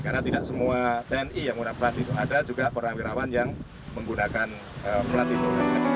karena tidak semua tni yang menggunakan plat itu ada juga perawirawan yang menggunakan plat itu